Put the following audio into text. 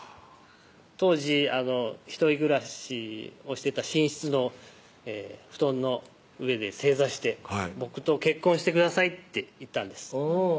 当時一人暮らしをしてた寝室の布団の上で正座して「僕と結婚してください」って言ったんです